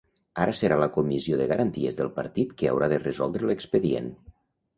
Ara serà la comissió de garanties del partit que haurà de resoldre l’expedient.